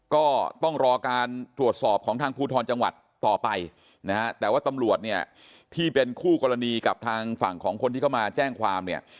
ก็ต้องรอการตรวจสอบของทางภูทรจังหวัดต่อไปนะฮะแต่ว่าตำรวจเนี่ยที่เป็นคู่กรณีกับทางฝั่งของคนที่เข้ามาแจ้งความเนี่ย